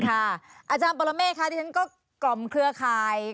อาจารย์ปรเมฆค่ะที่ฉันก็กล่อมเครือข่าย